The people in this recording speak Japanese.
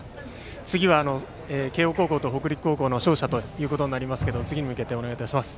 次は慶応高校と北陸高校の勝者とになりますが次に向けてお願いします。